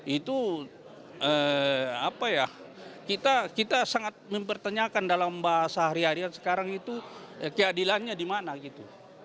itu apa ya kita sangat mempertanyakan dalam bahasa hari hari sekarang itu keadilannya di mana gitu